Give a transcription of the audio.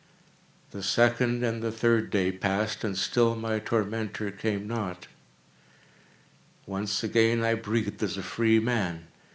The second and the third day passed, and still my tormentor came not. Once again I breathed as a freeman.